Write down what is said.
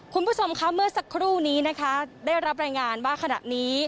คุณผู้ชมค่ะเมื่อสักครู่นี้นะคะได้รับรายงานว่าขณะนี้